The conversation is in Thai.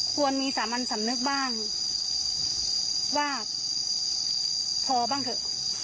ควรมีสามัญสำนึกบ้างว่าพอบ้างเถอะ